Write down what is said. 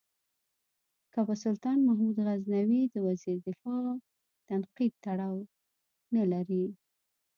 که په سلطان محمود غزنوي د وزیر دفاع تنقید تړاو نه لري.